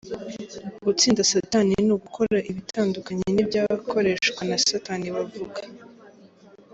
Gutsinda satani ni gukora ibitandukanye n’iby’abakoreshwa na satani bavuga.